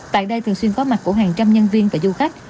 tại đây thường xuyên có mặt của hàng trăm nhân viên và du khách